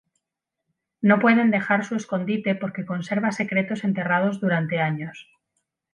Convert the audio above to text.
No pueden dejar su escondite porque conserva secretos enterrados durante años.